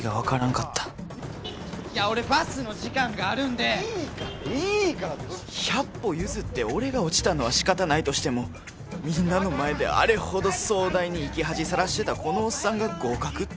いや俺バスの時間があるんでいいからいいから百歩譲って俺が落ちたのはしかたないとしてもみんなの前であれほど壮大に生き恥さらしてた